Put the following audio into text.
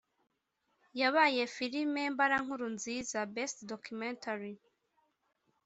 yabaye filime mbarankuru nziza (Best Documentary)